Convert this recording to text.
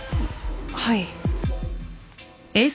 はい。